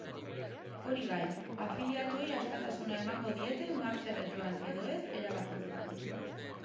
Hori bai, afiliatuei askatasuna emango diete martxara joan edo ez erabakitzeko.